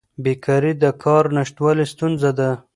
بیکاري د کار نشتوالي ستونزه ده.